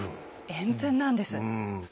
円墳なんです。